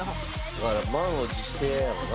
「だから満を持してやろな」